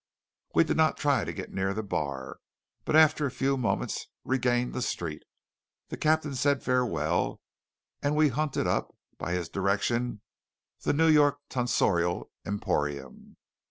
We did not try to get near the bar, but after a few moments regained the street. The captain said farewell; and we hunted up, by his direction, the New York Tonsorial Emporium.